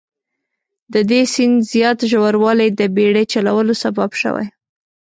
د دې سیند زیات ژوروالی د بیړۍ چلولو سبب شوي.